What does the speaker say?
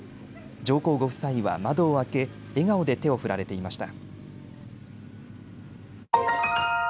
上皇ご夫妻は窓を開け笑顔で手を振られていました。